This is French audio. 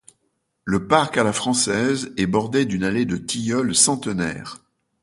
Le parc à la française est bordé d’une allée de tilleuls centenaires.